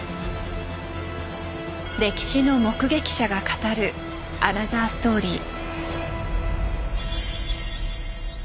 歴史の目撃者が語るアナザーストーリー。